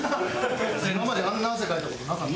今まであんな汗かいた事なかった。